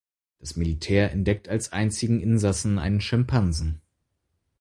Das Militär entdeckt als einzigen Insassen einen Schimpansen.